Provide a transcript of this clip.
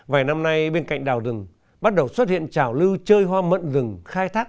vài năm nay bên cạnh đào rừng bắt đầu xuất hiện trào lưu chơi hoa mận rừng khai thác